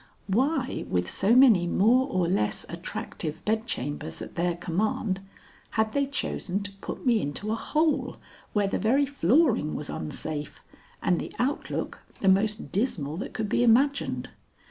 Why, with so many more or less attractive bedchambers at their command, had they chosen to put me into a hole, where the very flooring was unsafe, and the outlook the most dismal that could be imagined?